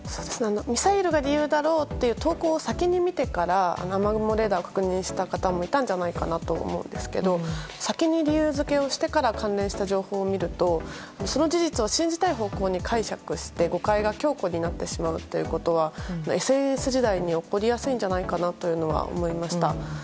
ミサイルが理由だろうという投稿を先に見てから雨雲レーダーを確認した方もいるんじゃないかと思うんですけど先に理由付けしてから関連した情報を見るとその事実を信じたい方向に解釈して、誤解が強固になってしまうことはＳＮＳ時代に起こりやすいんじゃないかなと思いました。